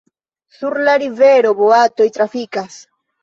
Sur la rivero boatoj trafikas.